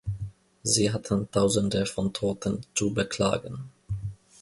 Sie hatten Tausende von Toten zu beklagen.